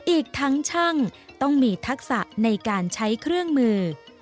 อีกทั้งช่างต้องมีทักษะในการใช้เครื่องมือ